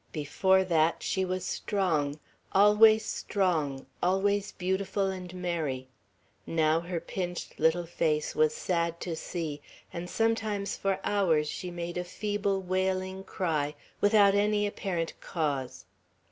Before that, she was strong, always strong, always beautiful and merry, Now her pinched little face was sad to see, and sometimes for hours she made a feeble wailing cry without any apparent cause.